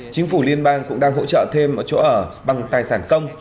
chính phủ liên bang cũng đang hỗ trợ thêm chỗ ở bằng tài sản công